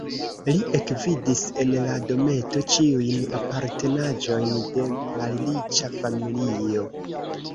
Li ekvidis en la dometo ĉiujn apartenaĵojn de malriĉa familio.